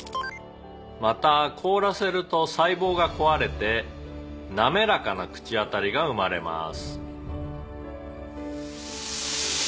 「また凍らせると細胞が壊れて滑らかな口当たりが生まれます」